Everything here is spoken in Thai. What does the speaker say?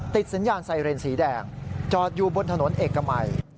ติดสัญญาณไซเรนสีแดงจอดอยู่บนถนนเอกมัย